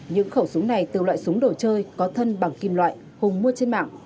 những khẩu súng này từ loại súng đồ chơi có thân bằng kim loại hùng mua trên mạng